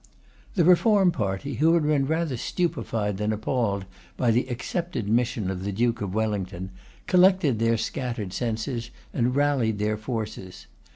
The Reform party, who had been rather stupefied than appalled by the accepted mission of the Duke of Wellington, collected their scattered senses, and rallied their forces.